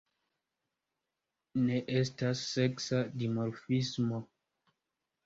Ne estas seksa dimorfismo.